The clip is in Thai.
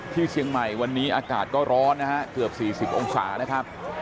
ที่เชียงใหม่วันนี้อากาศก็ร้อนนะครับเกือบสี่สิบองค์ชาครับ